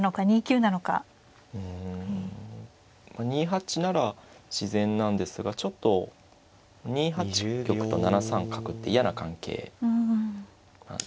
２八なら自然なんですがちょっと２八玉と７三角って嫌な関係なんですね。